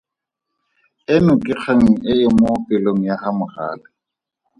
Eno ke kgang e e mo pelong ya ga Mogale.